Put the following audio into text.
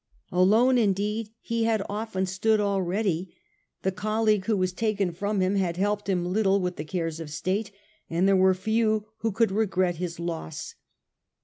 Alone indeed he had often stood already ; the colleague who was taken from him had helped him little with the cares of state, and there were few who could regret his loss.